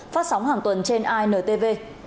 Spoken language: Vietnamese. phát sóng hàng tuần trên intv